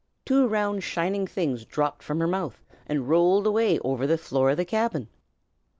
two round shining things dropped from her mouth, and rolled away over the floor of the cabin.